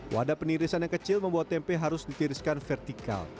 wadah penirisan yang kecil membuat tempe harus ditiriskan vertikal